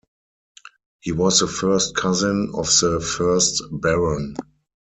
He was the first cousin of the first Baron.